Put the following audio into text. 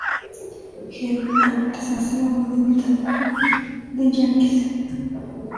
Helmet Roberts hace la voz de invitado en "Fuck the Yankees".